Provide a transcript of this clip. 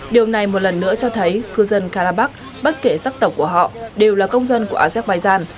điều này một lần nữa cho thấy cư dân karabakh bất kể sắc tộc của họ đều là công dân của azerbaijan